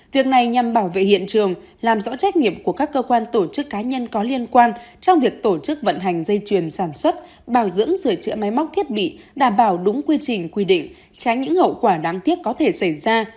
việc này nhằm bảo vệ hiện trường làm rõ trách nhiệm của các cơ quan tổ chức cá nhân có liên quan trong việc tổ chức vận hành dây chuyền sản xuất bảo dưỡng sửa chữa máy móc thiết bị đảm bảo đúng quy trình quy định tránh những hậu quả đáng tiếc có thể xảy ra